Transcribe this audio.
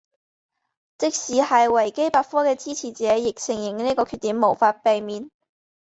即使是维基百科的支持者亦承认这个缺点无法避免。